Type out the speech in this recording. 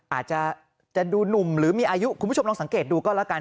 อาจจะดูหนุ่มหรือมีอายุคุณผู้ชมลองสังเกตดูก็แล้วกัน